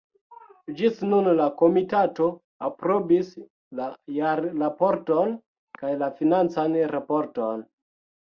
Ĝis nun la komitato aprobis la jarraporton kaj la financan raporton.